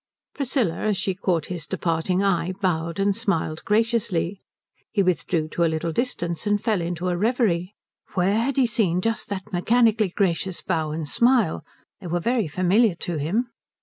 Priscilla, as she caught his departing eye, bowed and smiled graciously. He withdrew to a little distance, and fell into a reverie: where had he seen just that mechanically gracious bow and smile? They were very familiar to him.